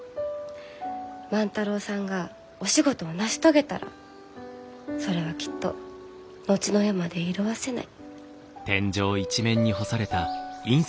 万太郎さんがお仕事を成し遂げたらそれはきっと後の世まで色あせない。